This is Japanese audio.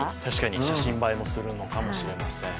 写真映えもするのかもしれません。